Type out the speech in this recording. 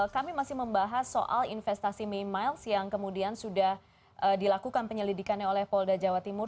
kami masih membahas soal investasi mimiles yang kemudian sudah dilakukan penyelidikannya oleh polda jawa timur